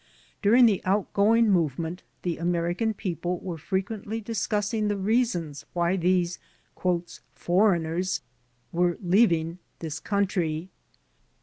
During the out going movement the American people were frequently discussing the reasons why these "foreigners" were leav ing this country.